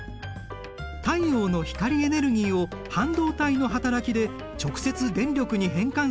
太陽の光エネルギーを半導体の働きで直接電力に変換する発電方法だ。